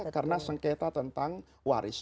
karena sengketa tentang waris